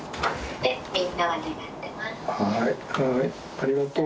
ありがとう。